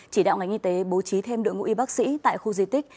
chỉ đạo ngành y tế bố trí thêm đội ngũ y bác sĩ tại khu di tích